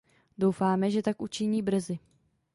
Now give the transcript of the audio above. Doufáme, že tak učiní brzy.